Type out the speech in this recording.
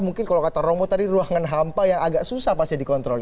mungkin kalau kata romo tadi ruangan hampa yang agak susah pasti dikontrol